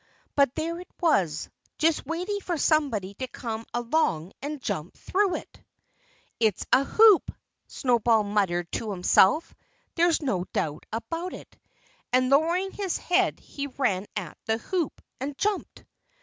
But there it was, just waiting for somebody to come along and jump through it! "It's a hoop!" Snowball muttered to himself. "There's no doubt about that." And lowering his head he ran at the hoop and jumped.